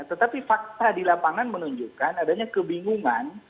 tetapi fakta di lapangan menunjukkan adanya kebingungan